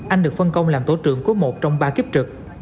anh được phân công làm tổ trưởng của một trong ba kiếp trực